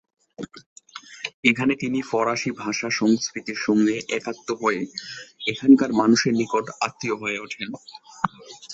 এখানে তিনি ফরাসি ভাষা-সংস্কৃতির সঙ্গে একাত্ম হয়ে এখানকার মানুষদের নিকট আত্মীয় হয়ে ওঠেন।